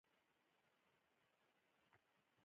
• ځینې نومونه د قهرمانانو نومونه دي.